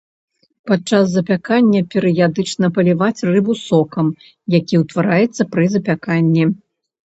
Падчас запякання перыядычна паліваць рыбу сокам, які утвараецца пры запяканні.